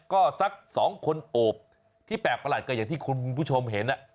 ก็สัก๒คนโอบที่แปลกประหลาดก็อย่างที่คุณผู้ชมเห็น